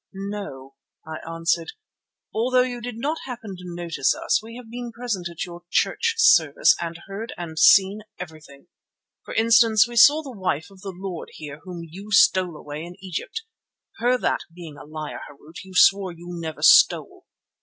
"No," I answered. "Although you did not happen to notice us, we have been present at your church service, and heard and seen everything. For instance, we saw the wife of the lord here whom you stole away in Egypt, her that, being a liar, Harût, you swore you never stole.